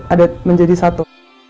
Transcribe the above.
ada menjadi satu